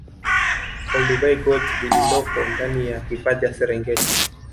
Olduvai Gorge lililoko ndani ya hifadhi ya Serengeti